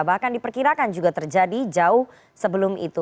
bahkan diperkirakan juga terjadi jauh sebelum itu